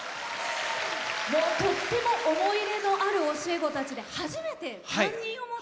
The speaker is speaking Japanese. とっても思い入れのある教え子たちで初めて担任を持った。